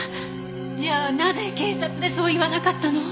じゃあなぜ警察でそう言わなかったの？